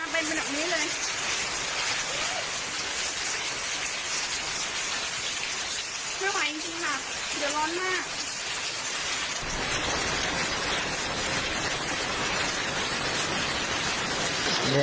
มันมาเป็นแบบนี้เลย